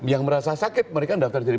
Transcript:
yang merasa sakit mereka daftar jadi